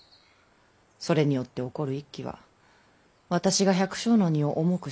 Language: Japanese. それによって起こる一揆は私が百姓の荷を重くしてきたがゆえ。